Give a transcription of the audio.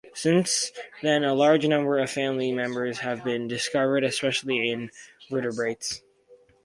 Since then a large number of family members have been discovered, especially in vertebrates.